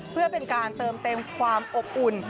เพื่อเป็นการเติมเต็มความอบอุ่น